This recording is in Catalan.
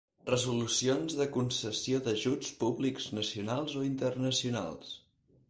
Resolucions de concessió d'ajuts públics nacionals o internacionals.